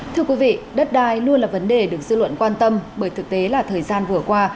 thưa quý vị đất đai luôn là vấn đề được dư luận quan tâm bởi thực tế là thời gian vừa qua